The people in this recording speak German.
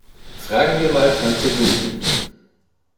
Fragen wir mal Tante Google!